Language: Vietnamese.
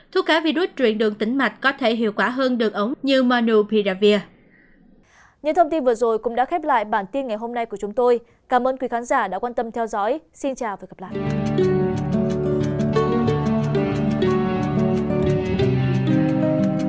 thuốc kháng virus truyền đường tính mạch có thể hiệu quả hơn đường ống như monopiravir